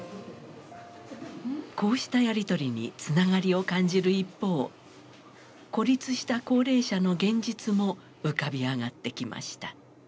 こうしたやり取りにつながりを感じる一方孤立した高齢者の現実も浮かび上がってきました。